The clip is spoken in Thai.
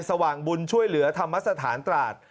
สว่างบุญช่วยเหลือธรรมสถานตราด